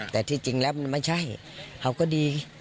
แต่ที่จริงแล้วมันไม่ใช่เขาก็ดี